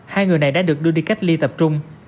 hai người này đã được đưa đi cách ly tập trung